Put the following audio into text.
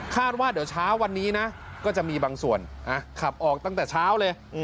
ว่าเดี๋ยวเช้าวันนี้นะก็จะมีบางส่วนขับออกตั้งแต่เช้าเลย